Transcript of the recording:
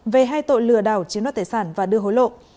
về hai tội lừa đảo chiếm đoạt tài sản và đưa hối lộ